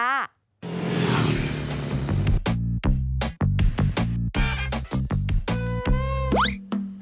นี่คือแบบที่จะพาคุณผู้ชมไปดูสิว่า